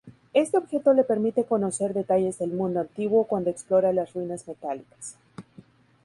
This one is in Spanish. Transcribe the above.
Este objeto le permite conocer detalles del mundo antiguo cuando explora las ruinas metálicas.